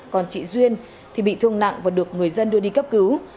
còn chị duyên thì bị thương nặng và được người dân đưa đi cấp cứu